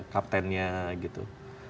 kapten nya gitu